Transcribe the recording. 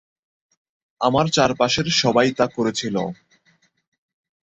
আমার চারপাশের সবাই তাই করেছিল।